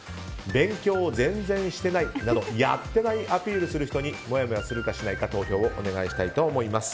勉強を全然してないなどやってないアピールする人にもやもやするか、しないか投票をお願いしたいと思います。